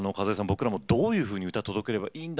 僕らもどういうふうに歌届ければいいんだ？